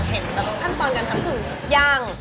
อยากเห็นขั้นตอนกันทั้งคือย่าง